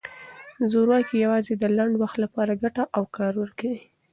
زورواکي یوازې د لنډ وخت لپاره ګټه او کار ورکوي.